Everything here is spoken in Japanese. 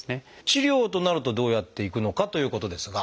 治療となるとどうやっていくのかということですが。